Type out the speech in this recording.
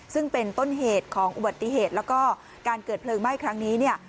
ซึ่งเป็นต้นเหตุของอุบัติเหตุแล้วก็การเกิดเพลิงไหม้ครั้งนี้เนี่ย